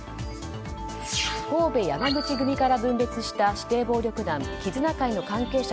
神戸山口組から分裂した指定暴力団絆会の関係者